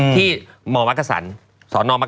ที่เหมาะมม